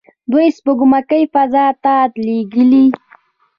دوی سپوږمکۍ فضا ته لیږلي.